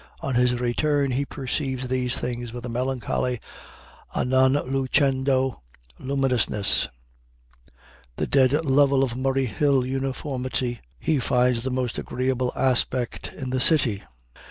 On his return he perceives these things with a melancholy a non lucendo luminousness. The dead level of Murray Hill uniformity he finds the most agreeable aspect in the city.